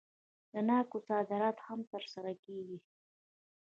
د ناکو صادرات هم ترسره کیږي.